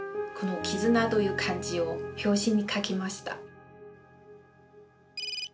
この「絆」という漢字を表紙に書きました。